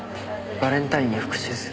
バレンタインに復讐する。